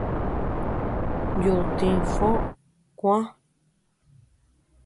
Yudtï Fo kuä.